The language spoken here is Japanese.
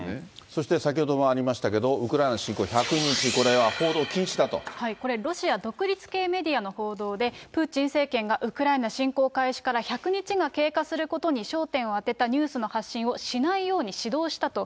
そして先ほどもありましたけど、ウクライナ侵攻１００日、これ、ロシア独立系メディアの報道で、プーチン政権がウクライナ侵攻開始から１００日が経過することに焦点を当てたニュースの発信をしないように指導したと。